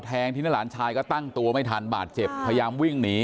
ที่หน้าหลานชายก็ตั้งตัวไม่ทันบาดเจ็บพยายามวิ่งหนี